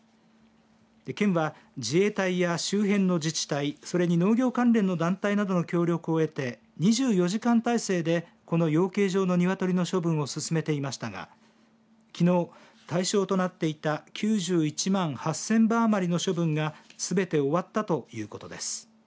県は自衛隊や周辺の自治体それに農業関連の団体などの協力を得て２４時間体制でこの養鶏場の鶏の処分を進めていましたがきのう対象となっていた９１万８０００羽余りの処分がすべて終わったということです。